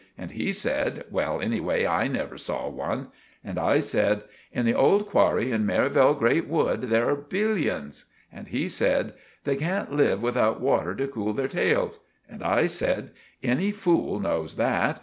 And he said— "Well, anyway, I never saw one." And I said— "In the old qwarry in Merivale Grate Wood there are billions." And he said— "They can't live without water to cool their tails." And I said— "Any fool knows that.